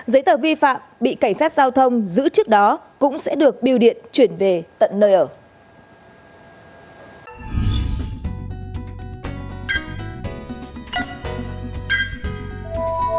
giấy tờ vi phạm bị cảnh sát giao thông giữ trước đó cũng sẽ được biêu điện chuyển về tận nơi ở